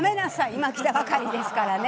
今来たばかりですからね。